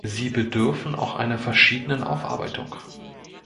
Sie bedürfen auch einer verschiedenen Aufarbeitung.